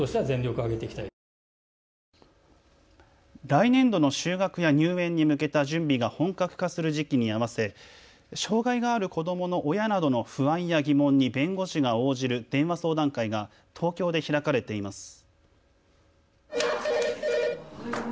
来年度の就学や入園に向けた準備が本格化する時期に合わせ障害がある子どもの親などの不安や疑問に弁護士が応じる電話相談会が東京で開かれています。